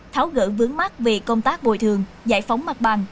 tháo gỡ vướng mắt về công tác bồi thường giải phóng mặt bằng